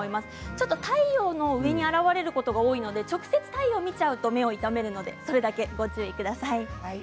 ちょっと太陽の上に現れることが多いので直接、太陽を見ると目を痛めるのでそれだけご注意ください。